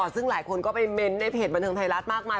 ซึ่งหลายคนก็ไปเม้นต์ในเพจบันเทิงไทยรัฐมากมาย